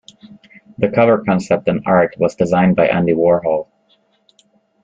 The cover concept and art was designed by Andy Warhol.